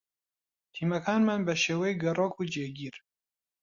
تیمەکانمان بە شێوەی گەڕۆک و جێگیر